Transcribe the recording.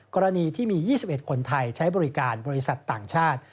กรณีที่มี๒๑คนไทยใช้บริการบริษัทต่างชาติ